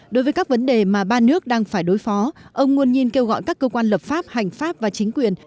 đối với các vấn đề mà ba nước đang phải đối phó ông nguồn nhìn kêu gọi các cơ quan lập pháp hành pháp và chính quyền